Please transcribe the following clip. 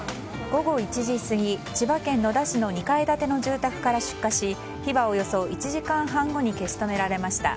午後１時過ぎ、千葉県野田市の２階建ての住宅から出火し、火はおよそ１時間半後に消し止められました。